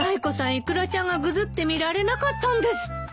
イクラちゃんがぐずって見られなかったんですって。